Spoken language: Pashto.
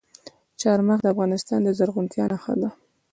چار مغز د افغانستان د زرغونتیا نښه ده.